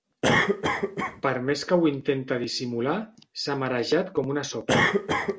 Per més que ho intenta dissimular, s'ha marejat com una sopa.